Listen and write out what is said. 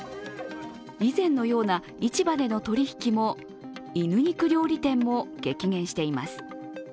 以前のような市場での取引も犬肉料理店も激減しています。